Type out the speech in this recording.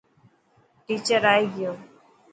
ٽيچر ائي گيو.